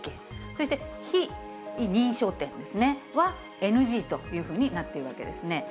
そして非認証店はＮＧというふうになっているわけですね。